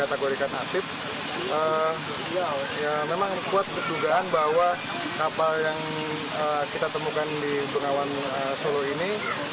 kategorikan aktif memang kuat ketugaan bahwa kapal yang kita temukan di sungai solo ini